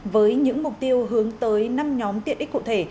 với những mục tiêu hướng tới năm nhóm tiện ích cụ thể